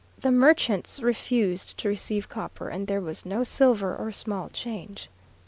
The merchants refused to receive copper, and there was no silver or small change.